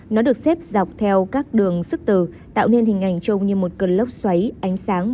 nó được xếp dọc theo các đường sức từ tạo nên hình ảnh chung như một cơn lốc xoáy ánh sáng